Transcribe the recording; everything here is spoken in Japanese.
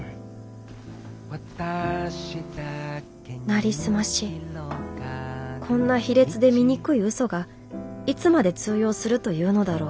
なりすましこんな卑劣で醜いウソがいつまで通用するというのだろう。